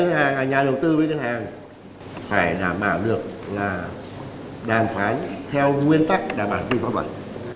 thì nhà đầu tư với ngân hàng phải đảm bảo được là đàn phán theo nguyên tắc đảm bảo quyết định pháp luật